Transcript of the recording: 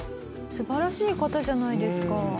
素晴らしい方じゃないですか。